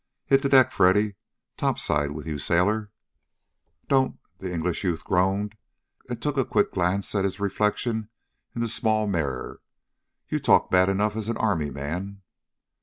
"Hit the deck, Freddy! Top side with you, sailor!" "Don't!" the English youth groaned, and took a quick glance at his reflection in the small wall mirror. "You talk bad enough as an Army man."